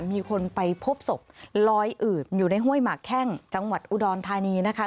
มีคนไปพบศพลอยอืดอยู่ในห้วยหมากแข้งจังหวัดอุดรธานีนะคะ